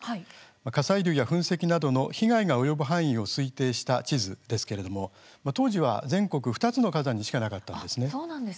火砕流や噴石などの被害が及ぶ範囲を推定した地図ですけれども当時は全国で２つの火山にしかなかったんです。